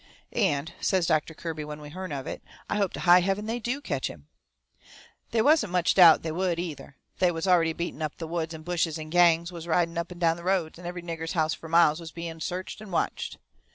"And," says Doctor Kirby, when we hearn of it, "I hope to high heaven they DO catch him!" They wasn't much doubt they would, either. They was already beating up the woods and bushes and gangs was riding up and down the roads, and every nigger's house fur miles around was being searched and watched.